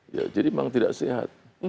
ya jadi memang tidak sehat